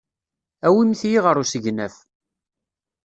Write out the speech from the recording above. Awimt-iyi ɣer usegnaf.